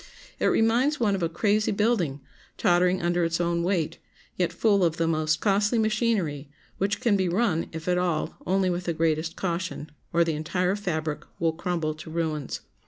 It reminds one of a crazy building, tottering under its own weight, yet full of the most costly machinery, which can be run, if at all, only with the greatest caution, or the entire fabric will crumble to ruins.